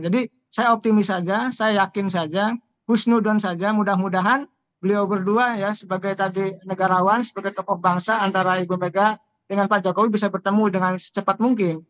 jadi saya optimis saja saya yakin saja husnudon saja mudah mudahan beliau berdua ya sebagai tadi negarawan sebagai kepobangsa antara ibu mega dengan pak jokowi bisa bertemu dengan secepat mungkin